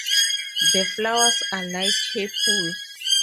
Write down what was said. The flowers are light purple.